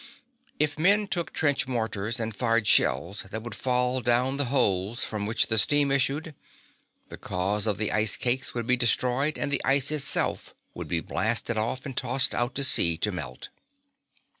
If men took trench mortars and fired shells that would fall down the holes from which the steam issued, the cause of the ice cakes would be destroyed and the ice itself could be blasted off and towed out to sea to melt.